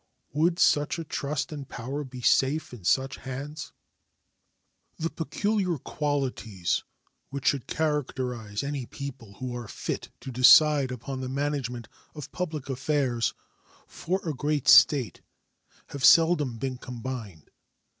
Would such a trust and power be safe in such hands? The peculiar qualities which should characterize any people who are fit to decide upon the management of public affairs for a great state have seldom been combined.